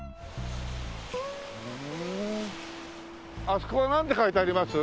あそこはなんて書いてあります？